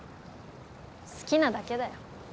好きなだけだよ。